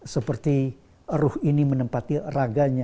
seperti ruh ini menempati raganya